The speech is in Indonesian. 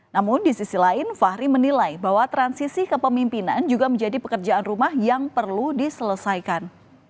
namun di sisi lain fahri menilai bahwa transisi kepemimpinan juga menjadi pekerjaan rumah yang perlu diselesaikan